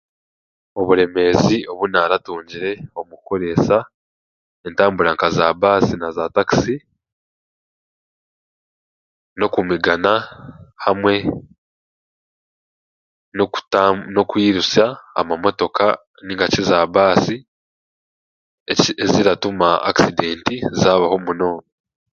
Oburemeezi obu ndatungire omu kukoreesa entambura nka za takisi na baasi, n'okumigana hamwe n'okuta n'okwirusya amamotoka nainga shi zaabaasi eki eziratuma akisidenti zaabaho munonga